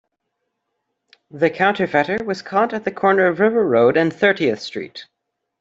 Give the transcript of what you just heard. The counterfeiter was caught at the corner of River Road and Thirtieth Street.